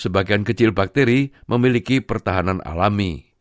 sebagian kecil bakteri memiliki pertahanan alami